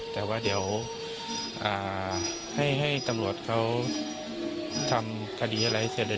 แต่ว่าเดี๋ยวให้ตำรวจเขาทำคดีอะไรให้เสร็จเลย